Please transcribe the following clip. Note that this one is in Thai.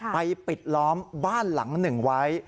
ปิดล้อมบ้านหลังหนึ่งไว้